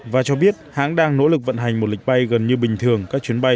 và cho biết hãng đang nỗ lực vận hành một lịch bay gần như bình thường các chuyến bay